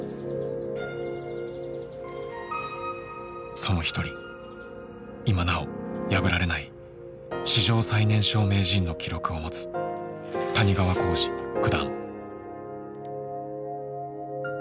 その一人今なお破られない史上最年少名人の記録を持つ谷川浩司九段。